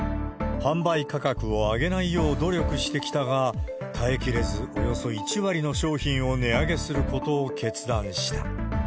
販売価格を上げないよう努力してきたが、耐え切れず、およそ１割の商品を値上げすることを決断した。